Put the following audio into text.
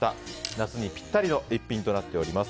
夏にぴったりの一品となっております。